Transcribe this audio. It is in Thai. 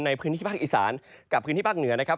ในพื้นที่ภาคอีสานกับพื้นที่ภาคเหนือนะครับ